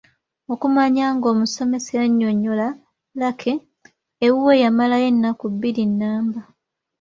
Okumanya ng’omusomesa yannyonnyola Lucky, ewuwe yamalayo ennaku bbiri nnamba.